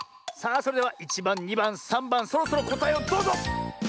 さあそれでは１ばん２ばん３ばんそろそろこたえをどうぞ！